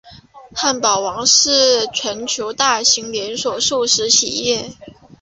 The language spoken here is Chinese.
汉堡王是全球大型连锁速食企业。